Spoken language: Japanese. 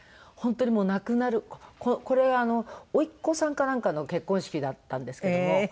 本当にもう亡くなるこれ甥っ子さんかなんかの結婚式だったんですけども。